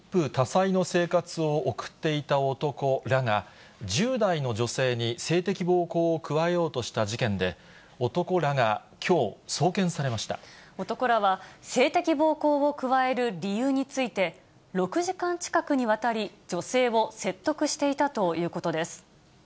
一夫多妻の生活を送っていた男らが、１０代の女性に性的暴行を加えようとした事件で、男らがきょう、男らは、性的暴行を加える理由について、６時間近くにわたり、女性を説得